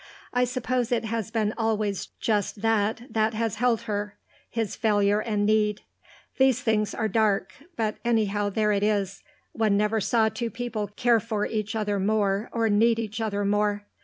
I suppose it has been always just that that has held her; his failure and need. These things are dark; but anyhow there it is; one never saw two people care for each other more or need each other more....